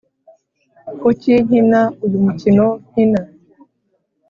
kuki nkina uyu mukino nkina?